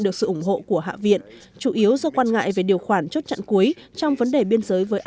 được sự ủng hộ của hạ viện chủ yếu do quan ngại về điều khoản chốt chặn cuối trong vấn đề biên giới với